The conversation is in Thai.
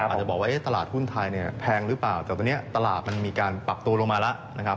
อาจจะบอกว่าตลาดหุ้นไทยเนี่ยแพงหรือเปล่าแต่ตอนนี้ตลาดมันมีการปรับตัวลงมาแล้วนะครับ